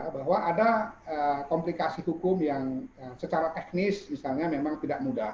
bahwa ada komplikasi hukum yang secara teknis misalnya memang tidak mudah